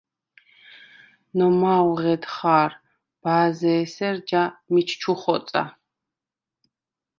ნომა̄უ̂ ღედ ხა̄რ, ბა̄ზ’ე̄სერ ჯა მიჩ ჩუ ხოწა.